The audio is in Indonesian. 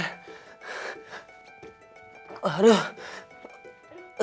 ujungnya dong pak